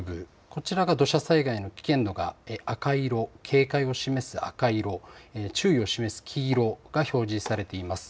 こちらが土砂災害の危険度が赤い色、警戒を示す赤い色注意を示す黄色が表示されています。